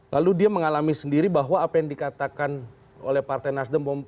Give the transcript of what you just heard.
lalu dia mengalami sendiri bahwa apa yang dikatakan oleh partai nasdem